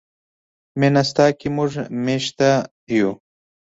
مینه ستا کې موږ میشته یو.